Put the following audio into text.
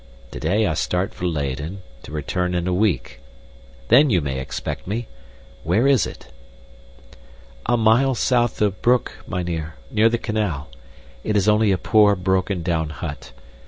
Today I start for Leyden, to return in a week, then you may expect me. Where is it?" "A mile south of Broek, mynheer, near the canal. It is only a poor, broken down hut.